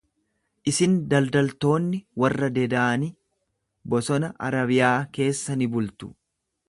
Isin daldaltoonni warra Dedaani bosona Arabiyaa keessa ni bultu.